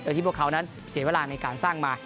โดยที่พวกเขานั้นเสียเวลาในการสร้างมา